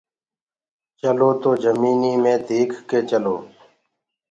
چلو تو جميني مي ديک ڪي چلو